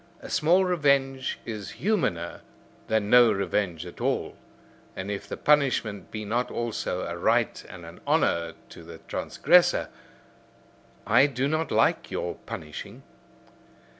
A small revenge is humaner than no revenge at all. And if the punishment be not also a right and an honour to the transgressor, I do not like your punishing.